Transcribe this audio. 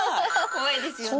怖いですよね。